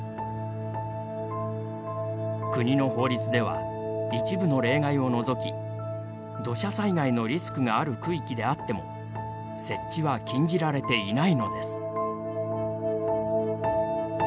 国の法律では、一部の例外を除き土砂災害のリスクがある区域であっても設置は禁じられていないのです。